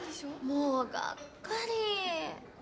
もうがっかり。